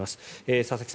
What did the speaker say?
佐々木さん